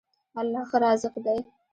الله ښه رازق دی.